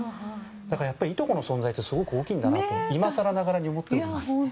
だから、いとこの存在ってすごく大きいんだなと今更ながらに思ってます。